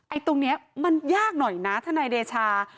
ตรงนี้มันยากหน่อยนะทนายเดชา